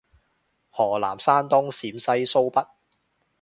河南山東陝西蘇北